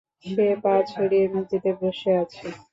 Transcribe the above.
সে পা ছড়িয়ে মেঝেতে বসে আছে।